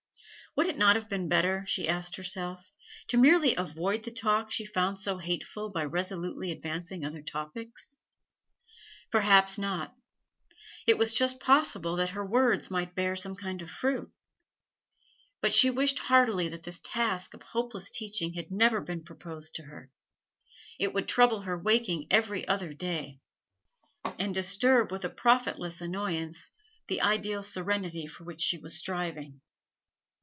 Would it not have been better, she asked herself, to merely avoid the talk she found so hateful by resolutely advancing other topics? Perhaps not; it was just possible that her words might bear some kind of fruit. But she wished heartily that this task of hopeless teaching had never been proposed to her; it would trouble her waking every other day, and disturb with a profitless annoyance the ideal serenity for which she was striving.